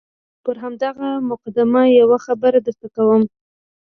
پر همدغه مقدمه یوه خبره درته کوم.